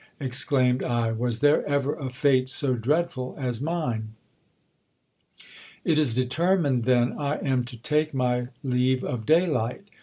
exclaimed I, was there ever a fate so dreadful as mine ? It is determined then I am to take my leave of daylight